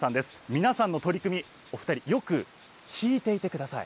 皆さんの取り組み、お２人、よく聞いていてください。